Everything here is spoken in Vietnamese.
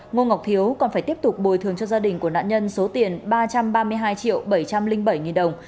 ngô ngọc thiếu còn phải tiếp tục bồi thường cho gia đình của nạn nhân số tiền ba trăm ba mươi hai triệu bảy trăm linh bảy nghìn đồng